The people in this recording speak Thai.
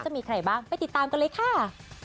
จะมีใครบ้างไปติดตามกันเลยค่ะ